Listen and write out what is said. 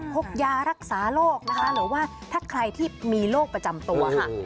พกยารักษาโรคนะคะหรือว่าถ้าใครที่มีโรคประจำตัวค่ะ